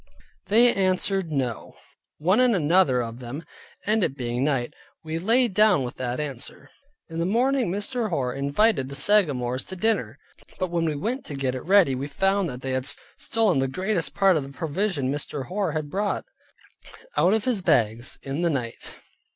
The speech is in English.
They answered no, one and another of them, and it being night, we lay down with that answer. In the morning Mr. Hoar invited the Sagamores to dinner; but when we went to get it ready we found that they had stolen the greatest part of the provision Mr. Hoar had brought, out of his bags, in the night.